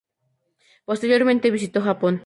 Posteriormente visitó Japón.